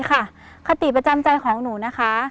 คติประจำใจของหนูนะคะ